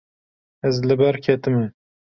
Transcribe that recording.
Ez li ber ketime.